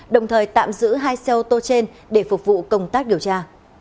đồng thời tạm giữ hai xe ô tô trên để phục vụ công tác điều tra